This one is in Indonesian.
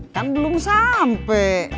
kan belum sampe